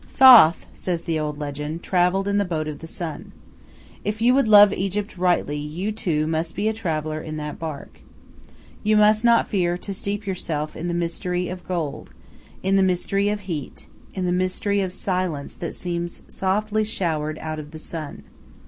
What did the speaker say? Thoth, says the old legend, travelled in the Boat of the Sun. If you would love Egypt rightly, you, too, must be a traveller in that bark. You must not fear to steep yourself in the mystery of gold, in the mystery of heat, in the mystery of silence that seems softly showered out of the sun.